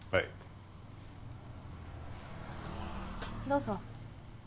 どうぞ。